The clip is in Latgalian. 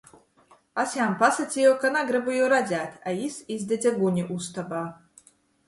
Es jam pasaceju, ka nagrybu jū redzēt, a jis izdedze guni ustobā.